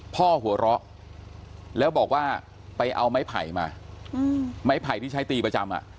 หัวเราะแล้วบอกว่าไปเอาไม้ไผ่มาไม้ไผ่ที่ใช้ตีประจำอ่ะ